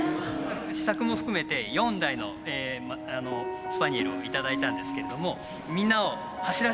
試作も含めて４台のスパニエルを頂いたんですけれどもみんなを走らせてあげたい。